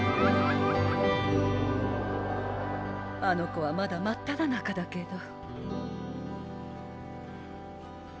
あの子はまだ真っただ中だけど。